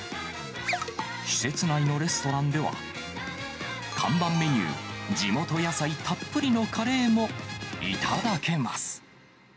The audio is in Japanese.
施設内のレストランでは、看板メニュー、地元野菜たっぷりのカレーも頂けます。